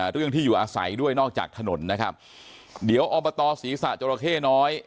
เรื่องที่อยู่อาศัยด้วยนอกจากถนนนะครับเดี๋ยวอบตศีรษะจราเข้น้อย